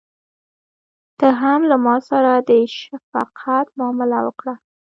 ته هم له ماسره د شفقت معامله وکړه.